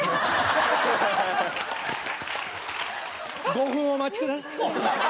「５分お待ちください」。